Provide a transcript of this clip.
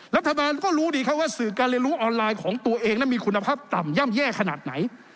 รัฐบาลก็รู้ดีครับว่าสื่อการเรียนรู้ออนไลน์ของตัวเองนั้นมีคุณภาพต่ำย่ำแย่ขนาดไหน